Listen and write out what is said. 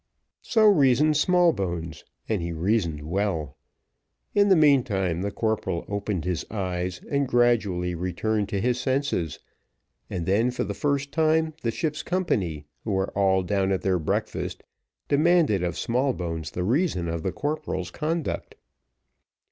So reasoned Smallbones, and he reasoned well. In the meantime the corporal opened his eyes, and gradually returned to his senses, and then for the first time, the ship's company, who were all down at their breakfast, demanded of Smallbones the reason of the corporal's conduct.